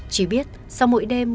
chỉ biết sau mỗi đêm